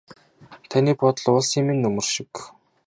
Таны бодол уулсын минь нөмөр шиг.